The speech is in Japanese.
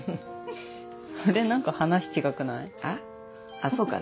あそうかな。